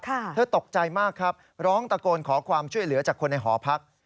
เธอตกใจมากครับร้องตะโกนขอความช่วยเหลือจากคนในหอพัก